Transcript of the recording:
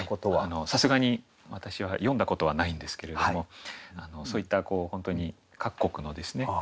さすがに私は詠んだことはないんですけれどもそういった本当に各国のですね